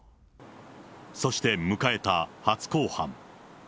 そして迎えた初公判。